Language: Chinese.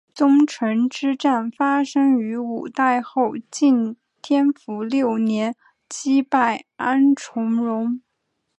宗城之战发生于五代后晋天福六年击败安重荣。